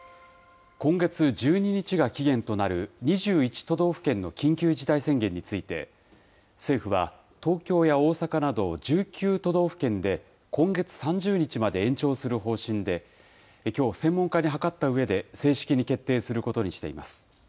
今月１２日が期限となる２１都道府県の緊急事態宣言について、政府は、東京や大阪など１９都道府県で今月３０日まで延長する方針で、きょう、専門家に諮ったうえで、正式に決定することにしています。